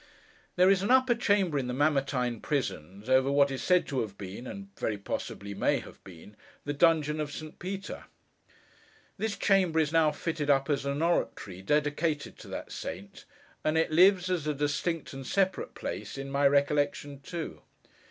There is an upper chamber in the Mamertine prisons, over what is said to have been—and very possibly may have been—the dungeon of St. Peter. This chamber is now fitted up as an oratory, dedicated to that saint; and it lives, as a distinct and separate place, in my recollection, too.